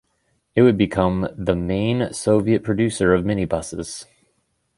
It would become the main Soviet producer of minibuses.